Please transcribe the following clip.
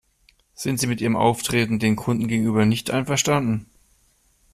Sie sind mit ihrem Auftreten den Kunden gegenüber nicht einverstanden?